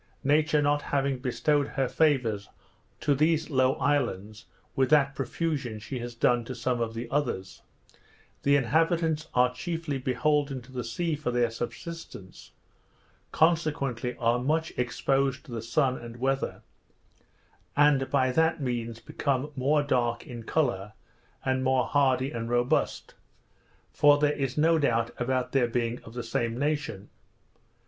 Nature not having bestowed her favours to these low islands with that profusion she has done to some of the others, the inhabitants are chiefly beholden to the sea for their subsistence, consequently are much exposed to the sun and weather; and by that means become more dark in colour, and more hardy and robust; for there is no doubt of their being of the same nation.